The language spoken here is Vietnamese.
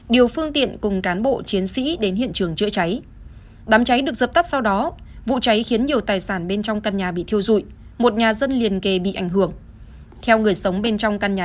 điều phương tiện cùng cán bộ chiến sĩ đến hiện trường chữa cháy